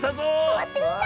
さわってみたい！